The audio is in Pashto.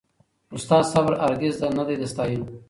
خو ستا صبر هرګز نه دی د ستایلو